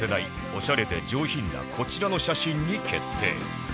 オシャレで上品なこちらの写真に決定